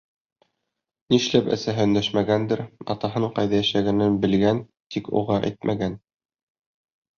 Нишләп әсәһе өндәшмәгәндер, атаһының ҡайҙа йәшәгәнен белгән, тик уға әйтмәгән.